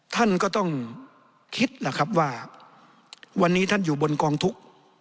ท่านก็ต้องคิดแหละครับว่าวันนี้ท่านอยู่บนกองทุกข์